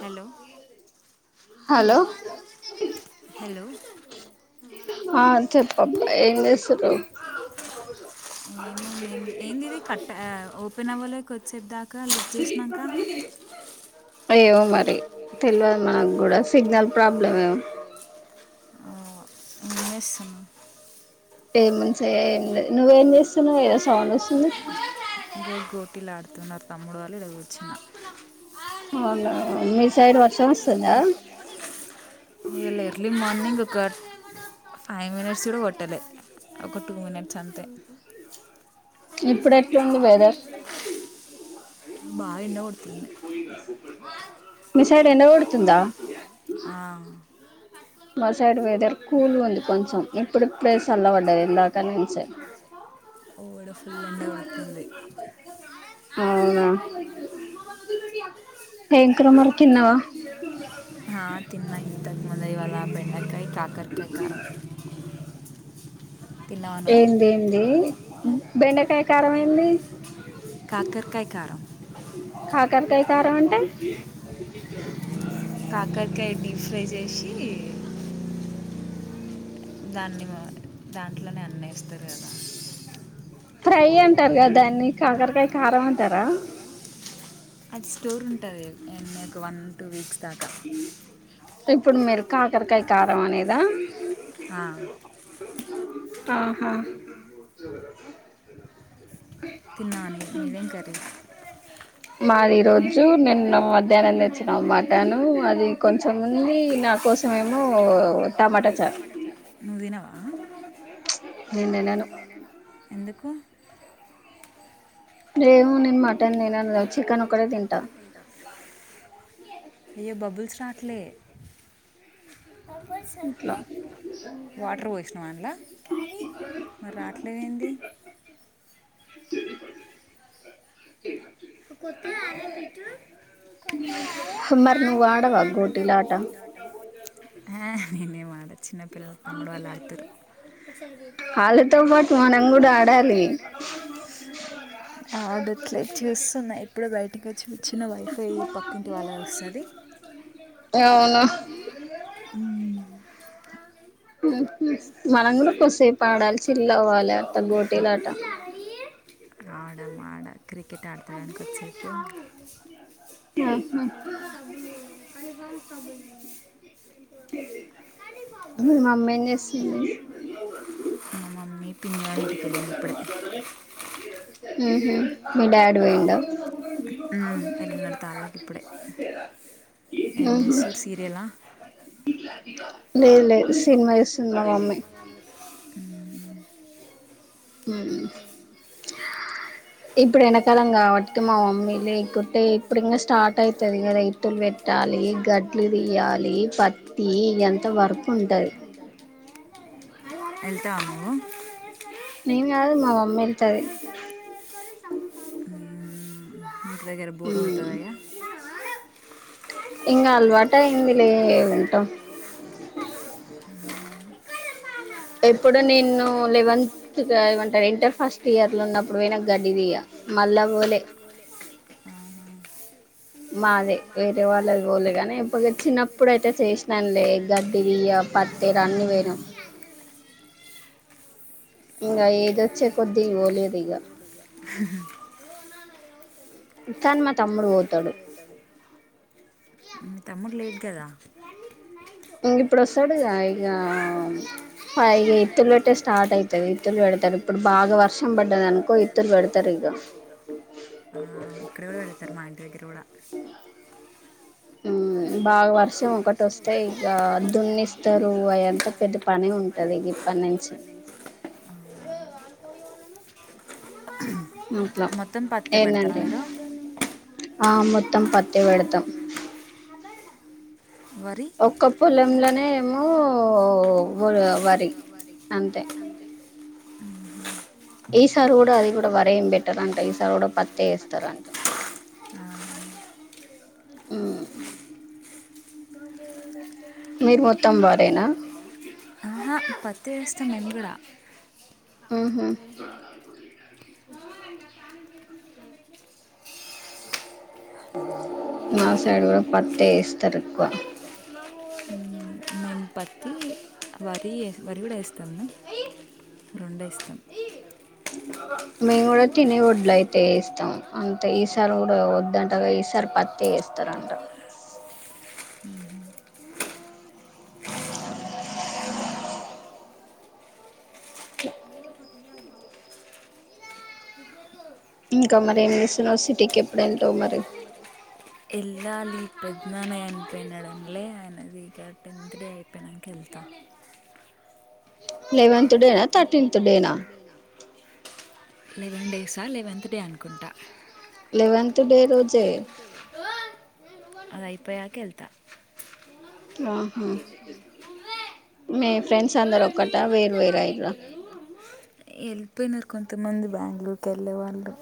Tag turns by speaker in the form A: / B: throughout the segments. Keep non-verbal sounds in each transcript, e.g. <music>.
A: Hello
B: hello
A: hello
B: ఆ చెప్పబ్బా ఏం చేస్తుర్రు
A: ఏ ఏంది ఇది కట్ట ఓపెన్ అవ్వలోక వచ్చేా ఇంకాలప్ చేసినాక
B: ఏవో మరి తెలియదు మనకు కూడా సిగ్నల్ ప్రాబ్లం ఏం
A: విస్తున్నా
B: ఏమంచియ ఏం నువ్వేం చేస్తున్నావు్ ఏదో సౌండ్ వస్తుంది
A: ఇ గోట్లాడుతున్నారు తమ్ముడు వాళ్ళు ఇలాగ వచ్చిన
B: అవును మీ సైడ్ వర్షం వస్తుందా
A: ఇవాళ ఎర్లీ మార్నింగ్ ఒక ఫైవ్ మినిట్స్ కూడా కొట్టలే ఒక టూ మినిట్స్ అంతే
B: ఇప్పుడు ఎట్లుంది బదర్
A: బాగా ఇండ కొడుతు
B: మీ సైడ్ ఎండ కొడుతుందా
A: ఆ
B: మా సైడ్ వెదర్ కూల్ ఉంది కొంచెం ఇప్పుడుప్పుడ అల్ల పడ్డది ఇలాకానేసే
A: పుల్లండడి ఉడుతుంది
B: అవునా భంక్ర మర్ చిన్నవా
A: తిన్న ఇంతకుముందు ఇవాళ బెండకాయ కాకరకాయ కారం తిన్నాను
B: ఏంది ఏంది బెండకాయ కారం ఏంది
A: కాకరకాయ కారం
B: కాకరకాయ కరగంటే
A: ట్రై చేసి దాన్ని దాంట్లోనే అన్యిస్తంది కదా
B: ఫ్రై అంటారు కదా దాన్ని కాకరకాయ కారం అంటారా
A: అది స్టోర్ ఉంటదికు వన్ అండ్ టూ వీక్స్ దాకా
B: ఇప్పుడు మీరు కాకరకాయ కారం అనేదా
A: హా
B: ఆహా
A: తిన్న అని మేదెం కర్రీ
B: మాది రోజు నిన్న
A: మధ్యాహ్నం తెచ్చిన మటను అది కొంచెం నా కోసమేమో టమాటా చ నువ్వు తినవా నేను తినను ఎందుకు
B: ఏమో నేను మటన్ తినను చికెన్ ఒకటె తింటా
A: ట్లా
B: ఇట్లా
A: వాటర్ పోసిన అంలా మరి రాట్లేవి ఏంది
B: <unintelligible>
A: కొత్త ఆరా కొత్త
B: మరి నువ్వు
A: అది
B: ఆడవా గోటీల
A: ఆకదానికి
B: ఆట
A: ఆ నేనే మ చిన్నప్ప తమ్ముడు వాళ్ళు ఆడతారు
B: పాటు
A: వాళ్ళతో
B: మనం
A: పాటు
B: కూడా
A: మనం
B: ఆడాలి
A: కూడా ఆడాలి లెట్స్ ఎప్పుడడు బయటికి వచ్చి చిన్న వైఫై పక్కింటి వాళ్ళ వస్తుంది
B: అవునా
A: ఆ
B: ఓ
A: మన కూడా కాసేపు ఆడాలి చిల్
B: అవ్వాలి అట్ట గోటీలాట
A: అవ్వాలి ఆడ ఆడ క్రికెట్ ఆడతడానినికి వచ్చాంకా <unintelligible>
B: ఆహా మీ మమ్మీ ఏం చేస్తుంది
A: ఆ మమ్మీ పిన్నని వెళ్ళింది ఇప్పుడ
B: <unintelligible> మీ డాడ వేంట
A: మ్మ్. వెళ్ళినాడు తాళ్ళకి ఇప్పుడే ఏం చేస్తరు సీరియలా
B: లేదు లేదు సినిమా చూస్తుంది మా మమ్మీ ఏ
A: ఇప్పుడు ఎండకాలం కాబట్టి మా మమ్మీ లేకుంటే ఇప్పుడు ఇంకా స్టార్ట్ అవుతుది కదా ఎతులు పెట్టాలి గడ్లు తీయాలి పత్తి ఇ ఎంత వర్క్ ఉంటంది వెళ్తావ నువ్వు
B: నేను కాదు మా మమ్మీ వెళ్తది
A: ఇంటిదగ్గర బోర్ కొడుతదా ఇగ
B: ఇంకా అలవాటు అయిందిలే ఉంటాం ఎప్పుడు నిన్ను లెవెన్త్ ఏమంటారు ఇంటర్ ఫస్ట్ ఇయర్ లో ఉన్నప్పుడు పోయినం గడ్డి దీయ మళ్ళా పోలే మాదే వేరే వాళ్ళది పోలే కానీ ఎప్పుడోచ్చిన్నప్పుడు అయితే చేసినానులే గడ్డి దీయ పత్తేరా అన్నీ వేయినాం. ఇగ ఏజ్ వచ్చే కొద్ది వోలేదు ఇగ కన్ మా తమ్ముడు వోతాడు
A: మీ తమ్ముడు లేడ్గ దా
B: ఇగ ఇప్పుడు వస్తాడు గా ఇగ ఆ ఇ ఇత్తులు కట్టే స్టార్ట్ అయితది ఇత్తులు పెడతాడు ఇప్పుడు బాగా వర్షం పడ్డది అనుకో ఇత్తులు పెడ్ త
A: ఆ ఇక్కడ గుడ వెడుతరు మా ఇంటి దగ్గర గుడ
B: బాగా వర్షం ఒకటి వస్తే ఇగ దున్నిస్తరు ఆయంత పెద్ద పని ఉంటది ఇగ ఇప్పన్నుంచి. ఇంట్ల
A: మొత్తం పత్తే పెడతారా
B: ఏందంటే
A: మీరు
B: ఆ మొత్తం పత్తే పెడతం
A: వరి
B: ఒక్క పొలంలోనే ఏమో వో వరి అంతే
A: మ్మ్ హ్
B: ఈసారి గుడ అది గుడ వరే ఏం పెట్టరంట ఈసారి కూడా పత్తే వేస్తారంట
A: ఆ,
B: మ్మ్ మీరు మొత్తం వరేనా
A: మళ్ళీగూడ ఆహా తెరుస్తాయి నన్ గుడా
B: ఉహు మాసైడు గుడ పత్తే ఏస్ తరుక్కువ
A: మేం మేము పత్తి వరీ వరి కూడా వేస్తాము రెండు వేస్తాం
B: మేము కూడా తినే ఒడ్లు అయితే వేస్తాం అంతే ఈసారి కూడా వద్దంటవ ఈసారి పత్తి వస్తారంట అట్ల ఇంకా మరి ఏం చేస్తున్నావ్ సిటీకెప్పుడెల్తవు మరి
A: వెళ్లాలి పెద్దనాన్న చనిపోయినాడనలే ఆయనది ఇగ టెన్త్ డే అయిపోయినాక వెళ్తా
B: లెవెన్త్ డేనా థర్టీన్త్ డేనా
A: లెవెన్ డేసా లెవెంతత్ డే అనుకుంటా
B: లెవెన్త్ డే రోజే
A: ఆ అదయిపోయాక ఎళ్తా
B: ఆహా మీ ఫ్రెండ్స్ అందరు ఒక్కటా
A: వ
B: వేరు
A: నా
B: వేరు అయిర్రా
A: వెళ్ళిపోయినారు కొంతమంది బెంగళూరుకి వెళ్ళే వాళ్ళు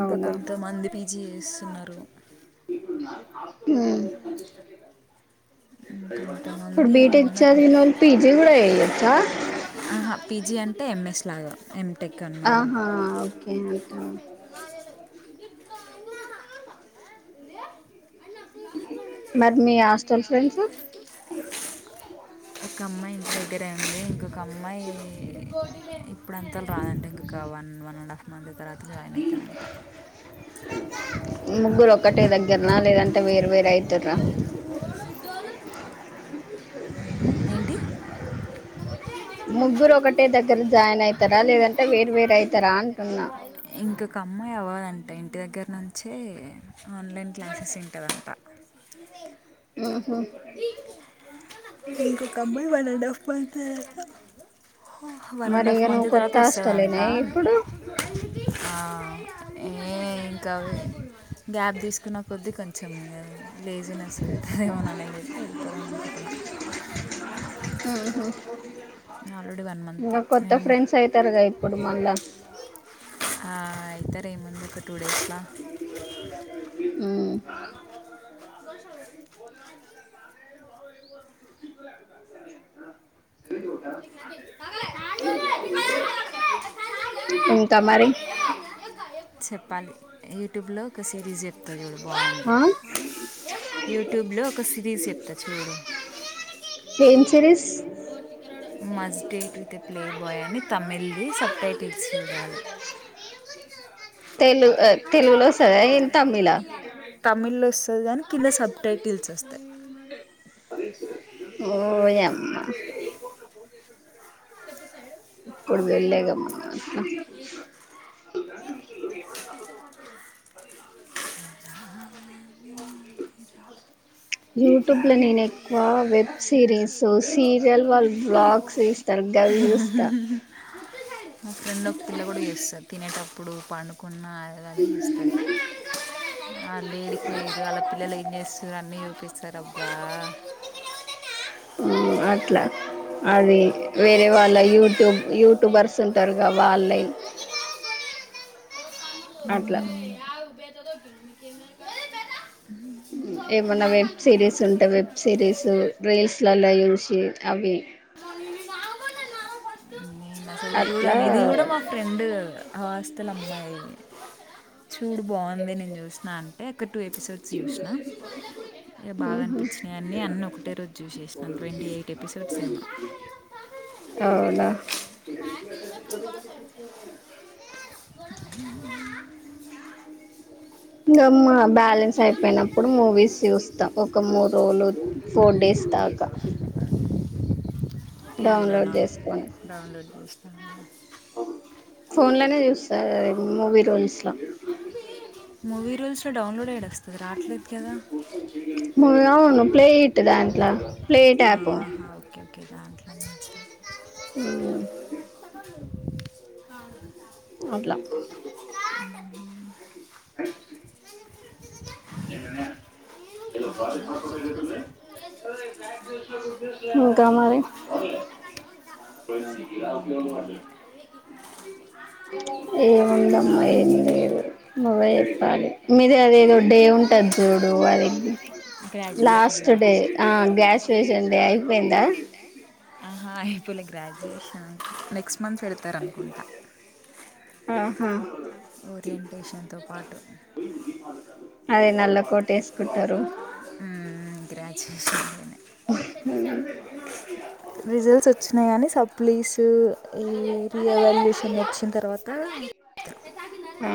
A: ఇంకా
B: అవునా
A: కొంతమంది పీజీ చేస్తున్నారు
B: అ
A: కొంతమంది ఉన్నార
B: చదివినోళ్ళు పీజీ కూడా చెయ్యొచ్చా
A: ఆహా పీజి అంట అంటే ఎంఎస్ లాగా ఎం
B: ఆహా ఓకే మరి మీ
A: మర్ణ
B: హాస్టల్ ఫ్రెండ్స్
A: అస్తప్పు ఒక అమ్మాయి ఇంట్ దగ్గరయింది ఇంకొక అమ్మాయి ఇప్పుడ అంతాలో రాదంటే ఇంకొక one one and half month తర్వాత జాయిన్ అవుతుందంట
B: ముగ్గురు ఒక్కటే దగ్గరన లేదంటేరు వేరేైతురు క్క
A: ఏంటి
B: ముగ్గురు ఒకటే దగ్గర జాయిన్ అయితారా లేదంటే వేరు వేర అవుతారా అంటున్నా
A: వాంటి దగ్గర నుంచంచి ఆన్లైన్ క్లాసెస్ ఉంటుందంట
B: ఆ
A: కొకో కమ్బై వ డఫబతే వన్ అండ్
B: మరి
A: హాఫ్
B: ఇగ
A: మంత్
B: నువ్వు
A: తర్వాత
B: కొత్త
A: వస్తుందంట
B: హాస్టలేనా ఇప్పుడు
A: ఏ ఇంకా గ్యాప్ తీసుకున్న కొద్దీ కొంచెం ఇం లేజినెస్ అవుతుంది ఏమోనాని ఇపోద
B: ఉహు
A: ఆల్రెడి వన్ మంత్
B: ఇంకా
A: న
B: కొత్త ఫ్రెండ్స్ అయితారుగా ఇప్పుడు మళ్ళా
A: అవుతార ఏముంది ఒక ఒక టూ డేస్లో
B: ఉమ్
A: స
B: అరి
A: చెప్పల్ యూట్యూబ్లో కస రిజెప్
B: ఆ
A: యూట్యూబ్లో ఒక సిరీస్ చెప్తా చూడు
B: ఏం series
A: must date with a playboy అని తమిళ్ది సబ్కైటిల్ చేయి
B: తెలుగు తెలుగులో వస్తద ఏన్ తమిలా
A: తమిళ్ దాని కింద సబ్ టైటిల్స్ వస్తాయి
B: ఓ ఎమ్మా ఇప్పుడు వెళ్ళేగ మన్నా యూట్యూబ్ లో నేను వెబ్ సిరీస్ సీరియల్ వాళ్ళు బ్లాగ్స్ తీస్తారు గవి చూస్తా
A: ఒక పిల్ల కూడా చేస్త తినేటప్పు ఇప్పుడు పండుకు నా అద చూస్తుంది లేడికి లేదు వాళ్ళ పిల్లలు ఏం చేస్తు అన్నీ చూపిస్త తరబ్బా
B: అట్లా అది వేరే వాళ్ళ యూట్యూబ్ యూట్యూబర్స్
A: ఫస్ట్
B: ఉంటారుగా వాళ్ళే అట్లా ఏమన్నా వెబ్ సిరీస్ ఉంటే వెబ్ సిరీస్ రీల్స్ ఇలాల ఉసి అవి
A: న నా ఇజ కూడా
B: అట్లా
A: నిధి కూడా మా ఫ్రెం అవాస్తతోలుందాంది చూడు బాగుంది నేను చూసినా అంటే అక్కడ టూ ఎపిసోడ్స్ చూసినా ఇక బాగా
B: మ్ హు
A: అనిపించినాయి అన్నీ అన్నీ ఒకటే రోజు చూసేసినాను ట్వంటీ ఎయిట్ ఎపిసోడ్స్ ఏమో
B: అవునా బ చ ఇంకామ్ మా బ్యాలెన్స్ అయిపోయినప్పుడు మూవీస్ చూస్తాం ఒక మూడు రోజులు ఫోర్ డేస్ దాకా
A: టీవీ లోన
B: డౌన్లోడ్ చేసుకొని
A: డౌన్లోడ్ చేస్త
B: ఫోన్లోనే చూస్తారు మూవీ రూల్స్
A: మూవీ రూల్స్లో డౌన్లోడ్ యాడ వస్తుంది రాట్లేదు కదా
B: మువును ప్లే ఇట్ దాంట్లో ప్లే ఐటీ యాప్
A: ఆహాహా <unintelligible>
B: <unintelligible> అట్లా ఇంకా మరి
A: చెప్పాలి ఇంకా నువ్వే
B: <unintelligible> ఏముందమ్మా ఏం లేదు మబ చెప్పాలి మీద అదేదో డే ఉంటది చూడు అది
A: గ్రాడ్యుయేషన్
B: లాస్ట్ డే ఆ గ్రాజ్యుయేషన్ డే అయిపోయిందా
A: లైక్ గ్ర్రాజుయషన్ మనసు ఎడతన్నారు
B: ఆహా
A: ఓరియంటేషన్తో పాటు
B: అదే నల్ల కోట వేసుకుంటారు
A: గ్రా స సర రిజల్ట్స్ వచ్చన్నానీ స ప్లీస్ ఈ రీ అవాల్యూషన్ వచ్చిన తర్వాత
B: ఆ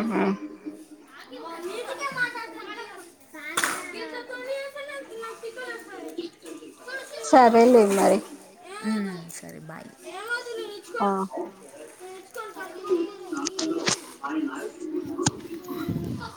B: సరే లేవు మరి
A: సరే బాయ్ ఏమో నేను ఇచ్చుకోను
B: ఆయన
A: నేను
B: తీసుకున్నారు
A: ఇచ్చుకోను